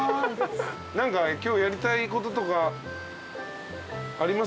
何か今日やりたいこととかあります？